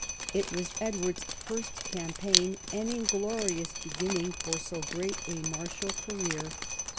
It was Edward's first campaign, an inglorious beginning for so great a martial career.